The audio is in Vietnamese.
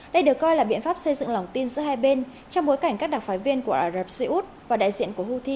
đây được coi là biện pháp xây dựng lòng tin giữa hai bên trong bối cảnh các đặc phái viên của ả rập xê út và đại diện của houthi